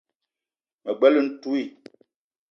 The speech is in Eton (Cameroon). Me bela ntouii